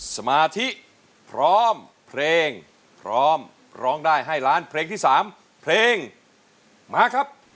สมาธิพร้อมเพลงพร้อมร้องได้ให้ล้านเพลงที่๓เพลงมาครับ